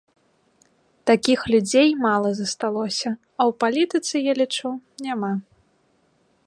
Такіх людзей мала засталося, а ў палітыцы, я лічу, няма.